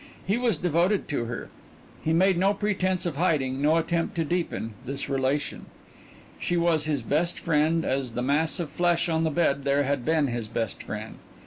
He was devoted to her. He made no pretense of hiding, no attempt to deepen, this relation. She was his best friend as the mass of flesh on the bed there had been his best friend.